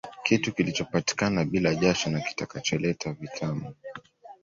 Kitu kilichopatikana bila jasho na kitakacholeta vitamu